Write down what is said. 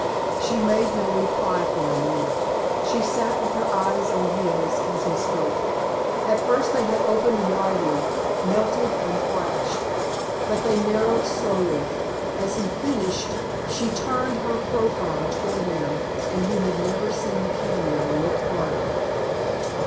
She made no reply for a moment. She sat with her eyes on his as he spoke. At first they had opened widely, melted and flashed. But they narrowed slowly. As he finished she turned her profile toward him and he had never seen a cameo look harder.